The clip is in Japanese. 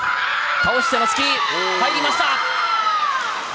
倒しての突き、入りました。